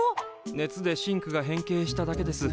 熱でシンクが変形しただけです。